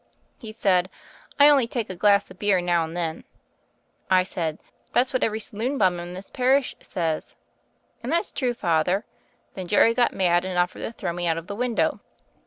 He said, 'I only take a glass of beer now and then.' I said 'That's what every saloon bum in this parish says.' And that's true, Father. Then Jerry got mad and offered to throw me out of the window."